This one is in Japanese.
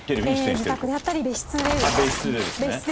自宅であったり別室で。